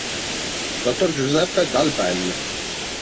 Dr Giuseppe Dal Ben.